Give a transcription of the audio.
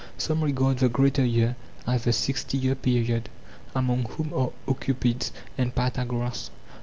Some regard the greater year... . as the sixty year period, among whom are Oenopides and Pythagoras.